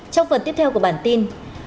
trong phần tiếp theo của bản tin